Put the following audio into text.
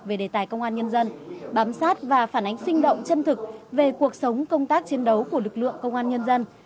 về đề tài công an nhân dân bám sát và phản ánh sinh động chân thực về cuộc sống công tác chiến đấu của lực lượng công an nhân dân